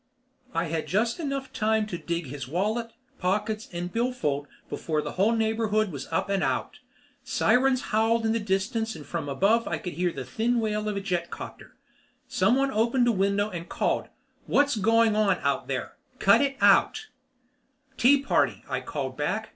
I had just enough time to dig his wallet, pockets, and billfold before the whole neighborhood was up and out. Sirens howled in the distance and from above I could hear the thin wail of a jetcopter. Someone opened a window and called: "What's going on out there? Cut it out!" "Tea party," I called back.